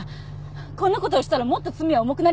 こんな事をしたらもっと罪は重くなりますよ！